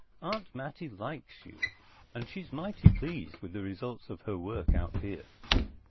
Aunt Mattie likes you, and she's mighty pleased with the results of her work out here.